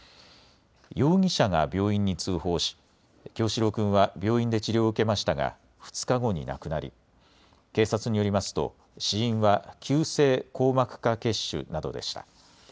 容疑者が病院に通報し叶志郎君は病院で治療を受けましたが２日後に亡くなり警察によりますと死因は急性硬膜下血腫などでした。